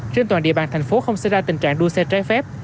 trên toàn địa bàn thành phố không xảy ra tình trạng đua xe trái phép